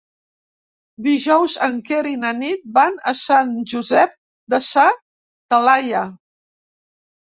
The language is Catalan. Dijous en Quer i na Nit van a Sant Josep de sa Talaia.